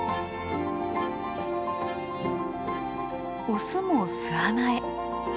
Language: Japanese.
オスも巣穴へ。